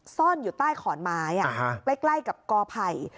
ซ่อนอยู่ใต้ขอนไม้ใกล้กับกอไผ่